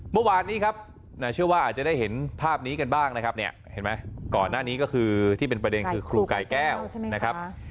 เมื่อวานนี้ครับเชื่อว่าอาจจะได้เห็นภาพนี้กันบ้างนะครับเนี่ยเห็นไหมก่อนหน้านี้ก็คือที่เป็นประเด็นคือครูกายแก้วนะครับ